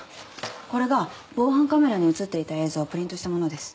これが防犯カメラに写っていた映像をプリントしたものです。